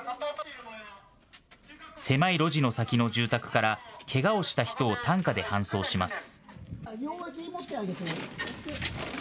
狭い路地の先の住宅からけがをした人を担架で搬送します。